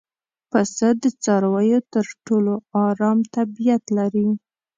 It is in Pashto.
پسه د څارویو تر ټولو ارام طبیعت لري.